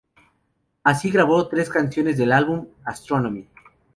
Así grabó tres canciones del álbum "Astronomy".